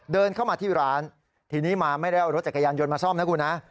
เดินเข้ามาที่ร้านทีนี้มาไม่ได้เอารถจักรยานยนต์มาซ่อมนะคุณฮะ